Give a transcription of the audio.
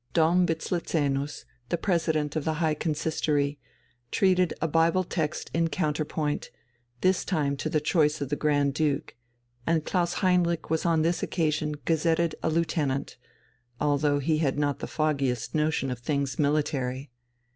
Dom Wislezenus, the President of the High Consistory, treated a Bible text in counterpoint, this time to the choice of the Grand Duke, and Klaus Heinrich was on this occasion gazetted a Lieutenant, although he had not the foggiest notion of things military....